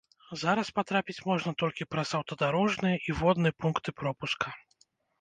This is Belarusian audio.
Зараз патрапіць можна толькі праз аўтадарожныя і водны пункты пропуска.